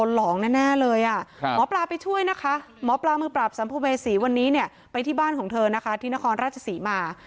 หมอปลามือปราบสัมภูมิเศษีย์วันนี้ไปที่บ้านของเธอนะคะที่นครราชศรีมา